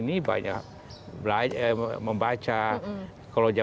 terus beimih aja